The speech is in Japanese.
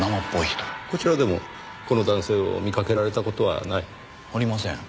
こちらでもこの男性を見かけられた事はない？ありません。